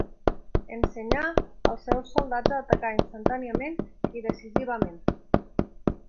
Ensenyà als seus soldats a atacar instantàniament i decisivament.